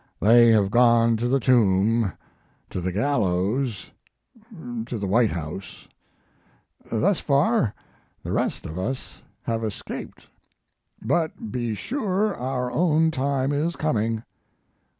They have gone to the tomb to the gallows to the White House, Thus far the rest of us have escaped, but be sure our own time is coming.